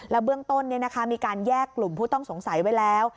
เบื้องต้นมีการแยกกลุ่มผู้ต้องสงสัยไว้แล้ว